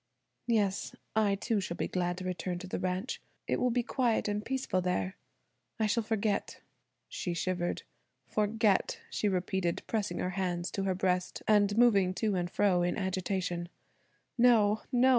"Yes, I, too, shall be glad to return to the ranch. It will be quiet and peaceful there. I shall forget." She shivered. "Forget," she repeated, pressing her hands to her breast, and moving to and fro in agitation, "no, no!